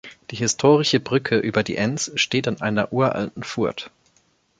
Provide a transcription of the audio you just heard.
Die historische Brücke über die Enz steht an einer uralten Furt.